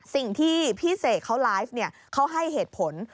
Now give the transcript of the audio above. สิ่งที่พี่เสกเขาไลฟ์เขาให้เหตุผล